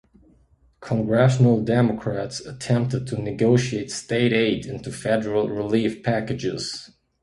Congressional Democrats attempted to negotiate state aid into federal relief packages.